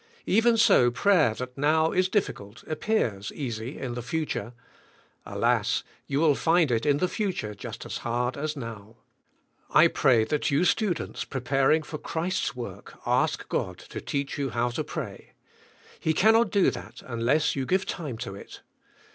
Even so prayer that now is difficult, appears easy in the future. Alas, you will find it in the future just as hard as now. I pray that you students preparing for Christ's work ask God to teach you how to pray. He cannot do that unless you g ive time to it.